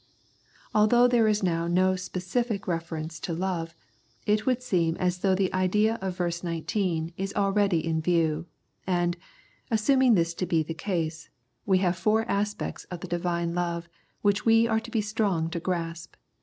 Although there is now no specific reference to love, it would seem as though the idea of verse 19 is already in view, and, assuming this to be the case, we have four aspects of the Divine love which we are to be strong to grasp.